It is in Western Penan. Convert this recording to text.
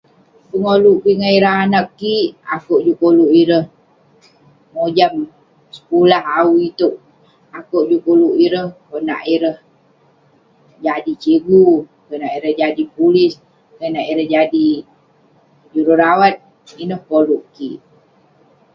Pengoluk kik ngan ireh ngan anak kik, akouk juk kolouk ireh mojam sekulah au iteuk. Akouk juk koluk ireh konak ireh jadi cigu, konak ireh jadi pulis, konak ireh jadi jururawat. Ineh kolouk kik.